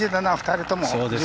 ２人とも。